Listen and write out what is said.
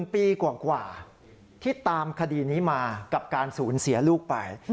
ปีกว่าที่ตามคดีนี้มากับการสูญเสียลูกไป